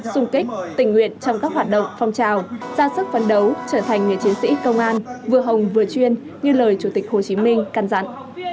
sung kích tình nguyện trong các hoạt động phong trào ra sức phấn đấu trở thành người chiến sĩ công an vừa hồng vừa chuyên như lời chủ tịch hồ chí minh căn dặn